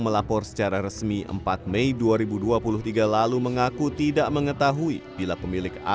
salah satunya apa kata kata fir'aun itu apa